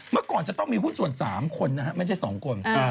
เมื่อก่อนจะต้องมีหุ้นส่วน๓คนนะฮะไม่ใช่๒คน